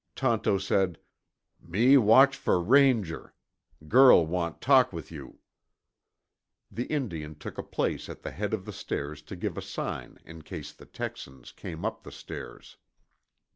Tonto said, "Me watch for Ranger. Girl want talk with you." The Indian took a place at the head of the stairs to give a sign in case the Texans came up the stairs.